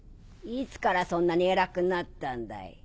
いつからそんなに偉くなったんだい。